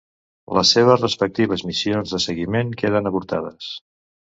Les seves respectives missions de seguiment queden avortades.